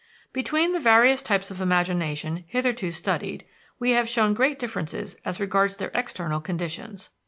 Between the various types of imagination hitherto studied we have shown great differences as regards their external conditions.